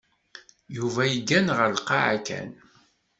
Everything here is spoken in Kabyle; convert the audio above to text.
Yuba yeggan ɣer lqaεa kan.